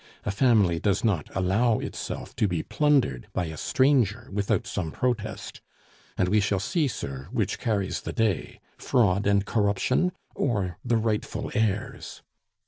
A family does not allow itself to be plundered by a stranger without some protest; and we shall see, sir, which carries the day fraud and corruption or the rightful heirs....